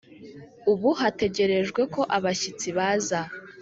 ubu hategerejwe ko abashyitsi baza.